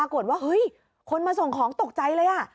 คนมาส่งของตกใจเลย